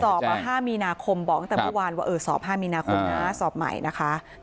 สอบมา๕มียนาคมบอกตั้งทั้งว่าสอบ๕มีนาคมนะสอบใหม่นะคะ